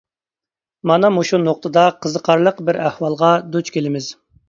مانا مۇشۇ نۇقتىدا قىزىقارلىق بىر ئەھۋالغا دۇچ كېلىمىز.